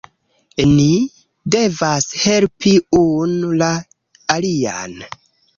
Ni devas helpi unu la alian